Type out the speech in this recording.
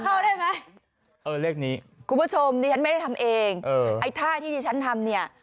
ที่โดดเขาใช่มั้ยคุณผู้ชมฉันไม่ได้ทำเองไอ้ท่าที่ฉันทำเนี่ย